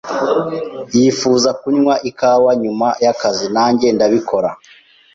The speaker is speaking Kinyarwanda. "Yifuza kunywa ikawa nyuma yakazi." "Nanjye ndabikora."